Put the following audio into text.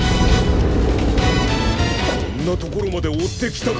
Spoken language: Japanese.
こんなところまでおってきたか！